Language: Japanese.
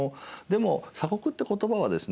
でも「鎖国」って言葉はですね